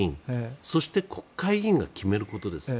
そして国会議員が決めることです。